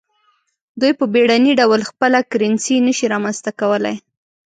دوی په بیړني ډول خپله کرنسي نشي رامنځته کولای.